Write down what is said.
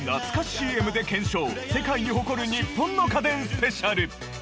ＣＭで検証世界に誇る日本の家電スペシャル。